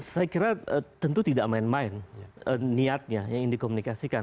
saya kira tentu tidak main main niatnya yang dikomunikasikan